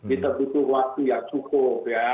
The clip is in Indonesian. ini terbutuh waktu yang cukup ya